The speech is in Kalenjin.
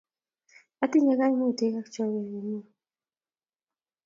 atinye kaimutik ak chorwet nenyun